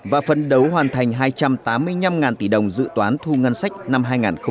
và phấn đấu hoàn thành hai trăm tám mươi năm tỷ đồng dự toán thu ngân sách năm hai nghìn hai mươi